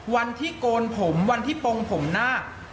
วันที่โกนผมวันที่ปงผมหน้า